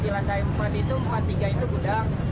di lantai empat itu empat tiga itu gudang